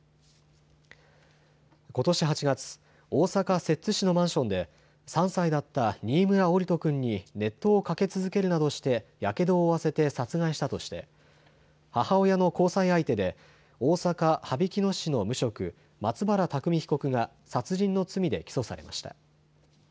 ことし８月、大阪摂津市のマンションで３歳だった新村桜利斗君に熱湯をかけ続けるなどして、やけどを負わせて殺害したとして母親の交際相手で大阪羽曳野市の無職、松原拓海被告が殺人の罪で起訴されました。